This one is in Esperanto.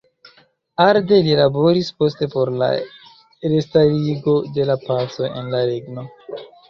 Arde li laboris poste por la restarigo de la paco en la regno.